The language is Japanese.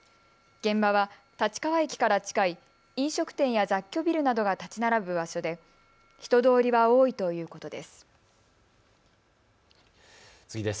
現場は立川駅から近い飲食店や雑居ビルなどが建ち並ぶ場所で人通りは多いということです。